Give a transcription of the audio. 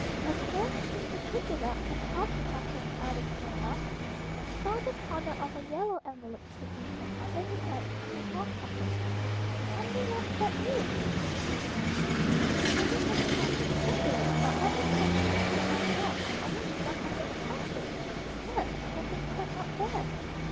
As Nan stooped to pick it up and toss it after the other small rugs, she saw the corner of a yellow envelope sticking from under the edge of the hall carpet. "Wonder what that is?" murmured Nan. "Somebody has thrust a circular, or advertisement, under our door, and it's gone under the carpet. Yes! There's a tack out there."